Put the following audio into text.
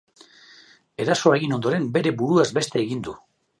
Erasoa egin ondoren, bere buruaz beste egin du.